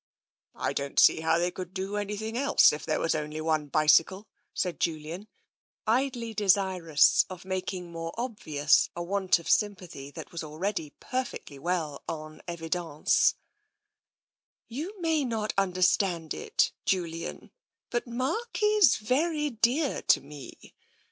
" I don't see how they could do anything else, if there was only one bicycle," said Julian, idly desirous of making more obvious a want of sympathy that was already perfectly well en evidence, "You may not understand it, Julian, but Mark is very dear to me.